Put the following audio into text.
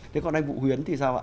thế còn đây vụ huyến thì sao ạ